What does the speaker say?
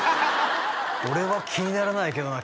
「俺は気にならないけどな」